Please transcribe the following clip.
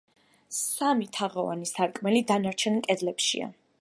სამი, თაღოვანი სარკმელი დანარჩენ კედლებშია.